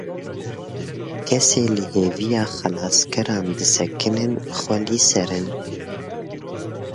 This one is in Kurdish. Kesê li hêviya xelaskeran disekinin, xwelîser in.